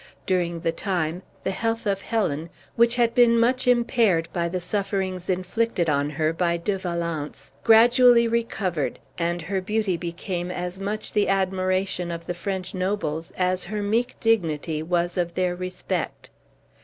During the time, the health of Helen, which had been much impaired by the sufferings inflicted on her by De Valence, gradually recovered, and her beauty became as much the admiration of the French nobles as her meek dignity was of their respect.